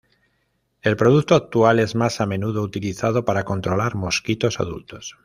El producto actual es más a menudo utilizado para controlar mosquitos adultos.